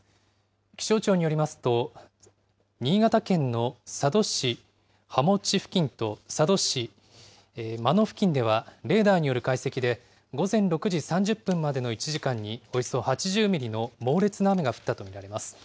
気象庁によりますと、新潟県の佐渡市羽茂付近と、佐渡市真野付近では、レーダーによる解析で、午前６時３０分までの１時間におよそ８０ミリの猛烈な雨が降ったと見られます。